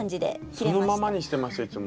そのままにしてましたいつも。